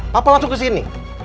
papa langsung kesini